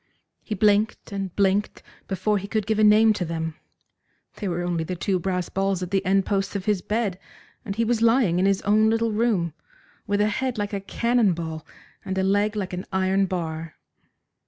He blinked and blinked before he could give a name to them. They were only the two brass balls at the end posts of his bed, and he was lying in his own little room, with a head like a cannon ball, and a leg like an iron bar.